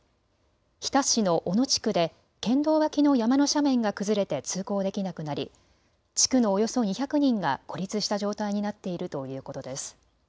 日田市の小野地区で県道脇の山の斜面が崩れて通行できなくなり地区のおよそ２００人が孤立した状態になっているということです。